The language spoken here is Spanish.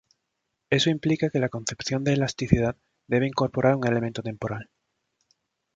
Eso implica que la concepción de elasticidad debe incorporar un elemento temporal.